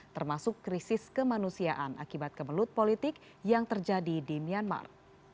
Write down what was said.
termasuk krisis kemanusiaan akibat kemelut politik yang terjadi di myanmar